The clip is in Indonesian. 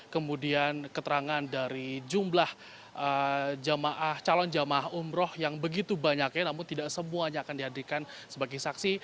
kemudian keterangan dari jumlah calon jamaah umroh yang begitu banyaknya namun tidak semuanya akan dihadirkan sebagai saksi